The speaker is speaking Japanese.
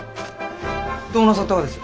どうなさったがです？